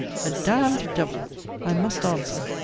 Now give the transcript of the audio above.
a d d devil! I must answer.